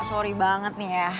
sorry banget nih ya